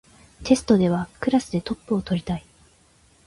テストではクラスでトップを取りたい